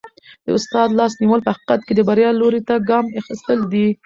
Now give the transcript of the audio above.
د استاد لاس نیول په حقیقت کي د بریا لوري ته ګام اخیستل دي.